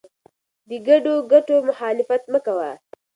د ګډو ګټو مخالفت مه کوه.